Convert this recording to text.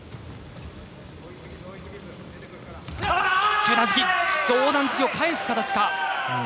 中段突き上段突きを返す形か。